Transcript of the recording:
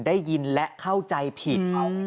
ได้ยินและเข้าใจผิด